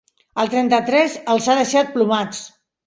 El trenta-tres els ha deixat plomats.